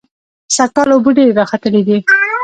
سږکال اوبه ډېرې راخلتلې دي.